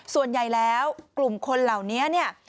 ส่วนใหญ่แล้วกลุ่มคนเหล่านี้เนี่ย